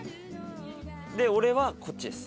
俺はこっちです。